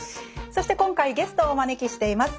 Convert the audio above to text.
そして今回ゲストをお招きしています。